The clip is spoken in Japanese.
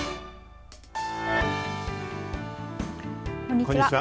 こんにちは。